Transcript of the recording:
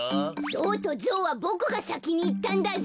ゾウとゾはボクがさきにいったんだぞ。